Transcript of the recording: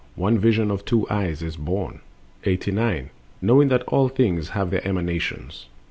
One vision of two eyes is born. Similia similibus. 89. Knowing that all things have their emanations.